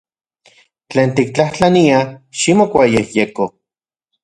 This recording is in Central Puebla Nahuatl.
Tlen tiktlajtlania, ximokuayejyeko.